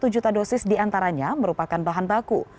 delapan puluh satu juta dosis diantaranya merupakan bahan baku